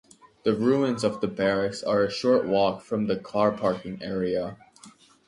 The ruins of the barracks are a short walk from the car parking area.